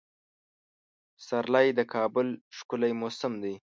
پسرلی د کال ښکلی موسم دی.